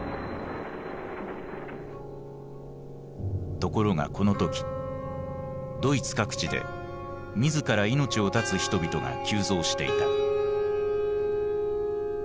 ところがこの時ドイツ各地で自ら命を絶つ人々が急増していた。